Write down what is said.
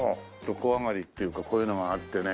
小上がりっていうかこういうのがあってね。